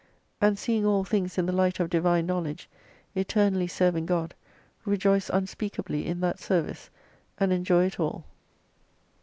And seeing all things in the light of Divine knowledge, eternally serving God, rejoice unspeakably in that service, and enjoy it all.